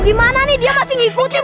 gimana nih dia kasih ngikutin